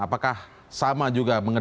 apakah sama juga